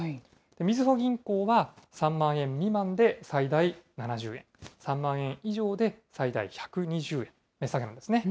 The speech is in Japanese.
みずほ銀行は３万円未満で最大７０円、３万円以上で最大１２０円値下げなんですね。